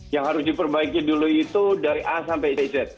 yang harus diperbaiki dulu itu dari a sampai z